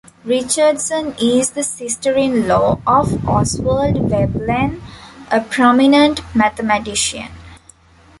Richardson is the sister-in-law of Oswald Veblen, a prominent mathematician.